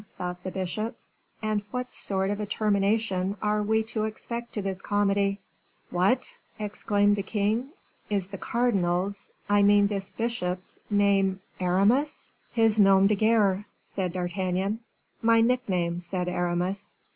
thought the bishop, "and what sort of a termination are we to expect to this comedy?" "What!" exclaimed the king, "is the cardinal's, I mean this bishop's, name Aramis?" "His nom de guerre," said D'Artagnan. "My nickname," said Aramis.